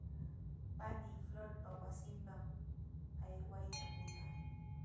Panii Florpa wasintrawmi kawayta munaa.